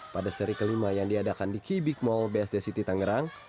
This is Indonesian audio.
pada seri kelima yang diadakan di key big mall bsd city tangerang